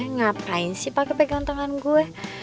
ngapain sih pakai pegang tangan gue